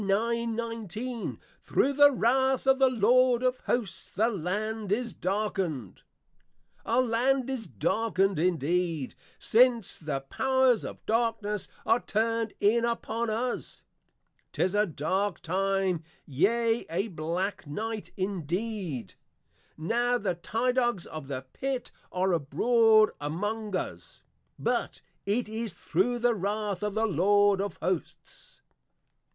9.19._ Through the wrath of the Lord of Hosts, the Land is darkned. Our Land is darkned indeed; since the Powers of Darkness are turned in upon us: 'tis a dark time, yea a black night indeed, now the Ty dogs of the Pit are abroad among us: but, _It is through the wrath of the Lord of Hosts!